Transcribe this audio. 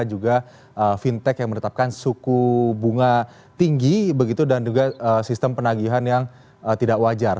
juga fintech yang menetapkan suku bunga tinggi begitu dan juga sistem penagihan yang tidak wajar